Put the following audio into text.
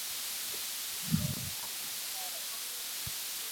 তার দরজা ছিল পাশে এবং উপর দিকে ঢাকনা দ্বারা আবৃত।